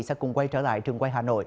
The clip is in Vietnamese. sẽ cùng quay trở lại trường quay hà nội